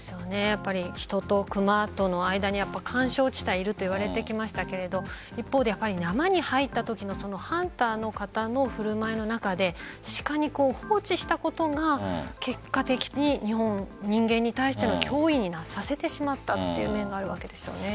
人と熊との間に緩衝地帯がいると言われてきましたけれど一方で山に入ったときのハンターの方の振る舞いの中で鹿に放置したことが結果的に人間に対しての脅威にさせてしまったという面があるわけですよね。